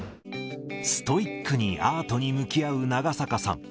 ストイックにアートに向き合う長坂さん。